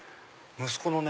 息子のね